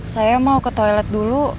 saya mau ke toilet dulu